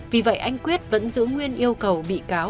vì vậy anh quyết vẫn giữ nguyên yêu cầu bị cáo